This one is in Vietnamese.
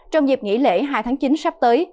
trong dịp nghỉ lễ hai tháng chín sắp tới